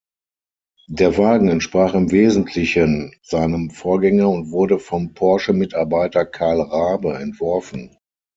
Der Wagen entsprach im Wesentlichen seinem Vorgänger und wurde vom Porsche-Mitarbeiter Karl Rabe entworfen.